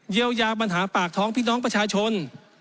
เยียวยาปัญหาปากท้องพี่น้องประชาชน